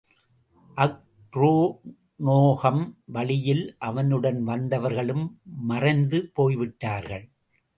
அக்ரோனோகம், வழியில் அவனுடன் வந்தவர்களும் மறைந்து போய்விட்டார்கள்.